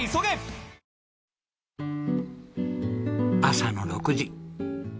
朝の６時。